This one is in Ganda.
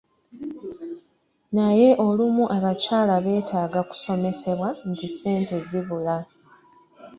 Naye olumu abakyala betaaga kusomesebwa nti ssente zibula.